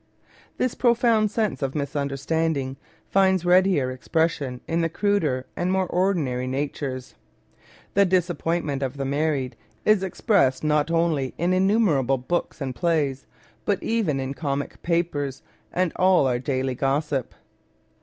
This profound sense of misunderstanding finds readier expression in the cruder and more ordinary natures. The disappointment of the married is ex pressed not only in innumerable books and plays, but even in comic papers and all our daily gossip.